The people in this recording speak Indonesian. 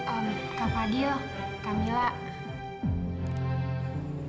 om kak fadil kamilah